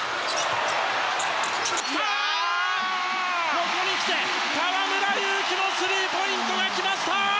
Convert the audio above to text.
ここにきて河村勇輝のスリーポイントがきました！